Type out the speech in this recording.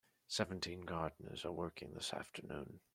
Seventeen gardeners are working this afternoon.